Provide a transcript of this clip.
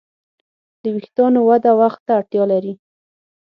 د وېښتیانو وده وخت ته اړتیا لري.